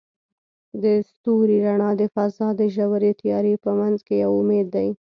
د ستوري رڼا د فضاء د ژورې تیارې په منځ کې یو امید دی.